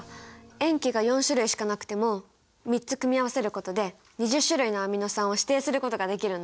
塩基が４種類しかなくても３つ組み合わせることで２０種類のアミノ酸を指定することができるんだ！